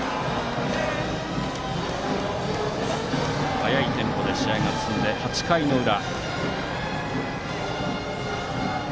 速いテンポで試合が進んで８回の裏。